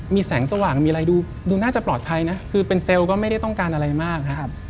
มีแสงสว่างมีอะไรดูน่าจะปลอดภัยนะคือเป็นเซลล์ก็ไม่ได้ต้องการอะไรมากนะครับ